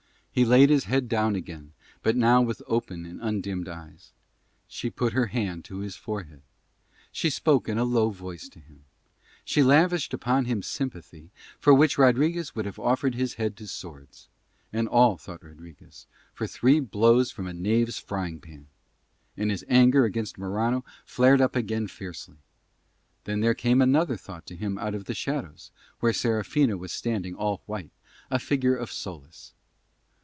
He laid his head down again, but now with open and undimmed eyes. She put her hand to his forehead, she spoke in a low voice to him; she lavished upon him sympathy for which Rodriguez would have offered his head to swords; and all, thought Rodriguez for three blows from a knave's frying pan: and his anger against Morano flared up again fiercely. Then there came another thought to him out of the shadows, where Serafina was standing all white, a figure of solace.